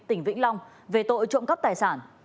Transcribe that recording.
tỉnh vĩnh long về tội trộm cắp tài sản